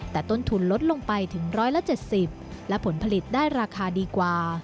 แต่ต้นทุนลดลงไปถึง๑๗๐และผลผลิตได้ราคาดีกว่า